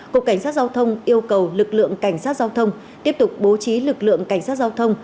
cục cảnh sát giao thông yêu cầu lực lượng cảnh sát giao thông tiếp tục bố trí lực lượng cảnh sát giao thông